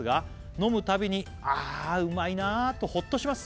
「飲むたびにああうまいなとホッとします」